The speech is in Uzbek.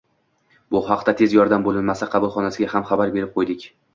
Bu haqda Tez yordam bo`linmasi qabulxonasiga ham xabar berib qo`ydik